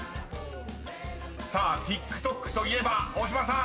［さあＴｉｋＴｏｋといえばおおしまさん